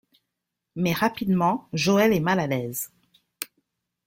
Mais rapidement, Joel est mal à l'aise.